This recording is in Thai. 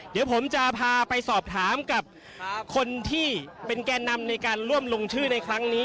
เดี๋ยวผมจะพาไปสอบถามกับคนที่เป็นแก่นำในการร่วมลงชื่อในครั้งนี้